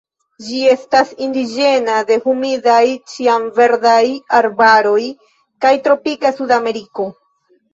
Ĝi estas indiĝena de humidaj ĉiamverdaj arbaroj de tropika Sudameriko.